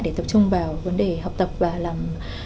để tập trung vào vấn đề học tập và làm